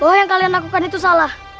oh yang kalian lakukan itu salah